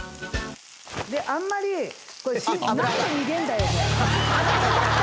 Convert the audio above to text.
であんまりこれ。